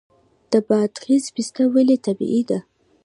د بادغیس پسته ولې طبیعي ده؟